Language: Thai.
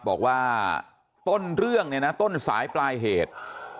บอกว่าต้นเรื่องเนี่ยนะต้นสายปลายเหตุ